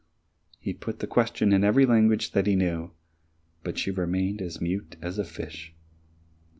He put the question in every language that he knew, but she remained as mute as a fish.